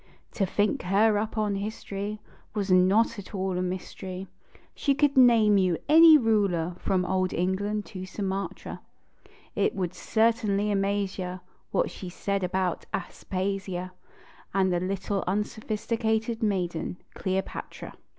To think her up in history Was not at all a mystery ; She could name you any ruler from old England to Sumatra. It would certainly amaze you What she said about Aspasia And the little unsophisticated maiden, Cleopatra.